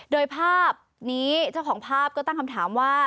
โดยภาพนี้เจ้าของภาพก็ตั้งคำถามว่า